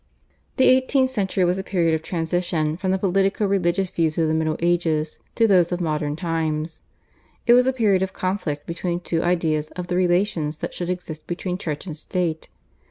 The eighteenth century was a period of transition from the politico religious views of the Middle Ages to those of modern times. It was a period of conflict between two ideas of the relations that should exist between Church and State.